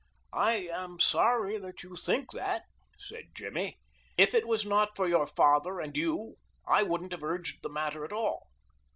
"I am sorry that you think that," said Jimmy. "If it was not for your father and you I wouldn't have urged the matter at all."